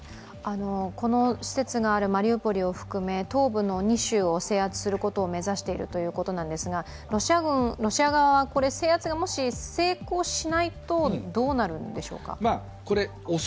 この施設があるマリウポリを含め、東部の２州を制圧することを目指しているということですがロシア側は制圧がもし成功しないと、どうなるんでしょうか。